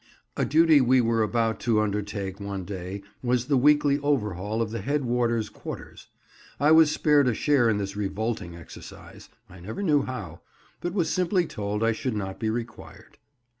A duty we were about to undertake one day was the weekly overhaul of the head warder's quarters. I was spared a share in this revolting exercise—I never knew how—but was simply told I should not be required.